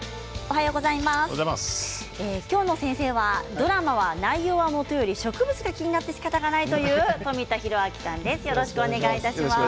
今日の先生はドラマは内容はもとより植物が気になってしかたがないという富田裕明さんです。